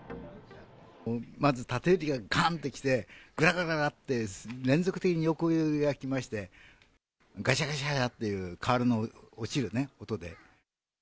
まず縦でがん！って来て、ぐらぐらぐらって連続的に横揺れがきまして、がしゃがしゃっていう、瓦の落ちるね、音で。